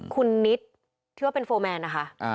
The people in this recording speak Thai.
คุณนิดที่ว่าเป็นโฟร์แมนนะคะ